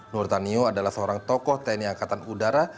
nurtanio adalah seorang tokoh tni angkatan udara